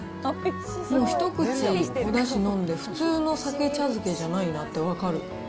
もう、一口おだし飲んで、普通のさけ茶漬けじゃないなってわかる。